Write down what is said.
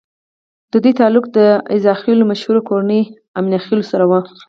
ددوي تعلق د عزيخېلو مشهورې کورنۍ اِمنه خېل سره وو